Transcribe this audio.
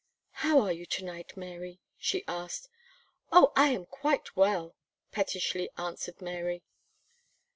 "How are you to night, Mary?" she asked. "Oh! I am quite well," pettishly answered Mary.